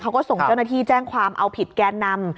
เขาก็ส่งเจ้าหน้าที่แจ้งความเอาผิดแกนนำ